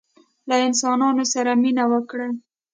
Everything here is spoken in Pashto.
له انسانانو سره مینه وکړئ